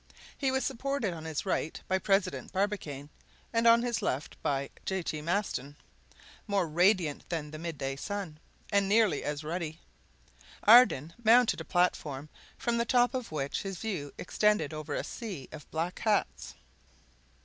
He was supported on his right by President Barbicane, and on his left by J. T. Maston, more radiant than the midday sun, and nearly as ruddy. Ardan mounted a platform, from the top of which his view extended over a sea of black hats.